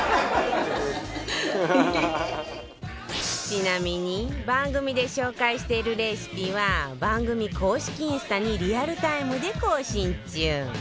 ちなみに番組で紹介しているレシピは番組公式インスタにリアルタイムで更新中